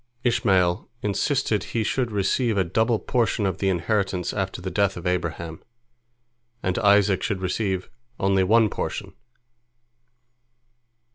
Ishmael insisted he should receive a double portion of the inheritance after the death of Abraham, and Isaac should receive only one portion.